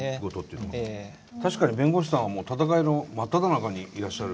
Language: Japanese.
確かに弁護士さんはもう闘いの真っただ中にいらっしゃる。